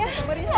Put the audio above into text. gak ada izzan